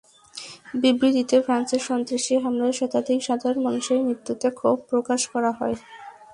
বিবৃতিতে ফ্রান্সে সন্ত্রাসী হামলায় শতাধিক সাধারণ মানুষের মৃত্যুতে ক্ষোভ প্রকাশ করা হয়।